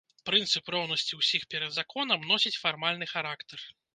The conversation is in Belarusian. Прынцып роўнасці ўсіх перад законам носіць фармальны характар.